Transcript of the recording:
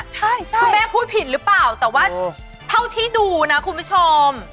ใช่คุณแม่พูดผิดหรือเปล่าแต่ว่าเท่าที่ดูนะคุณผู้ชม